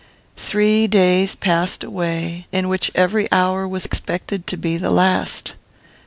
"Three days passed away, in which every hour was expected to be the last.